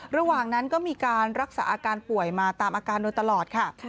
ระหว่างนั้นก็มีการรักษาอาการป่วยมาตามอาการโดยตลอดค่ะ